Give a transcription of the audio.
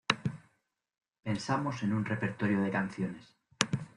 Pensamos en un repertorio de canciones.